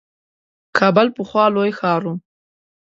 کابل پخوا لوی ښار وو.